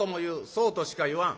「そうとしか言わん」。